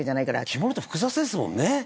着物って複雑ですもんね。